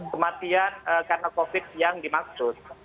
kematian karena covid yang dimaksud